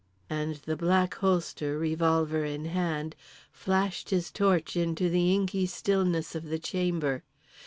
_" And the Black Holster, revolver in hand, flashed his torch into the inky stillness of the chamber.